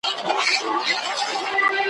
خو لکه سیوری بې اختیاره ځمه `